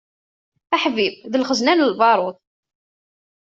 Aḥbib d lxezna n lbaṛud.